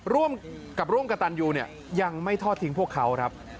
ร่วมกับร่วมกระตันยูเนี่ยยังไม่ทอดทิ้งพวกเขาครับ